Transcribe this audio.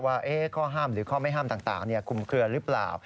ว่าข้อห้ามหรือข้อไม่ห้ามต่างคุมเคลือหรือเปล่า